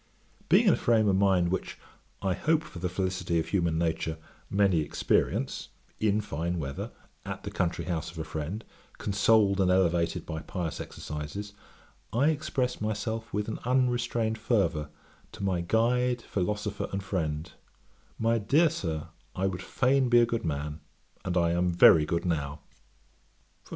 Being in a frame of mind which, I hope for the felicity of human nature, many experience, in fine weather, at the country house of a friend, consoled and elevated by pious exercises, I expressed myself with an unrestrained fervour to my 'Guide, Philosopher, and Friend;' 'My dear Sir, I would fain be a good man; and I am very good now.